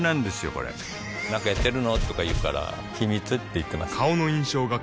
これなんかやってるの？とか言うから秘密って言ってます